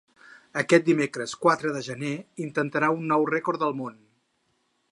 Aquest dimecres quatre de gener intentarà un nou rècord del món.